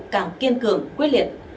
càng kiên cường quyết liệt